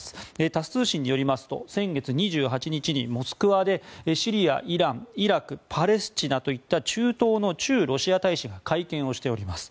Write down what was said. タス通信によりますと先月２８日にモスクワで、シリアイラン、イラクパレスチナといった中東の駐ロシア大使が会見をしております。